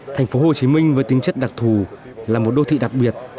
thành phố hồ chí minh với tính chất đặc thù là một đô thị đặc biệt